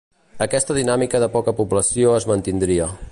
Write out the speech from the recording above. Aquesta dinàmica de poca població es mantindria.